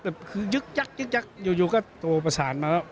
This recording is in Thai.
แบบคือยึกจักอยู่ก็โดลประสานมา